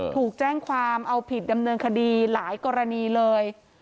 ถูกแจ้งความเอาผิดดำเนินคดีหลายกรณีเลย